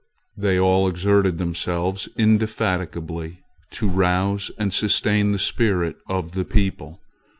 They all exerted themselves indefatigably to rouse and sustain the spirit of the people.